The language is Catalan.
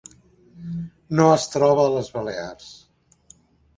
No es troba a les Balears.